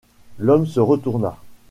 L’homme se retourna.